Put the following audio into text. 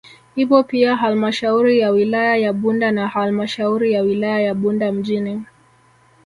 Ipo pia halmashauri ya wilaya ya Bunda na halmashauri ya wilaya ya Bunda mjini